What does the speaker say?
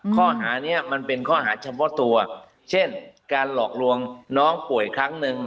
ข้อหานี้มันเป็นข้อหาเฉพาะตัวเช่นการหลอกลวงน้องป่วยครั้งหนึ่ง